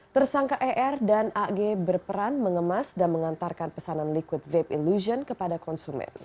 tersangka er dan ag berperan mengemas dan mengantarkan pesanan liquid vape ilusion kepada konsumen